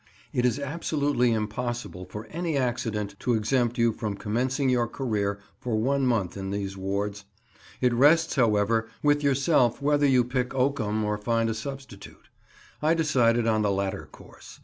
It is absolutely impossible for any accident to exempt you from commencing your career for one month in these wards; it rests, however, with yourself whether you pick oakum or find a substitute. I decided on the latter course.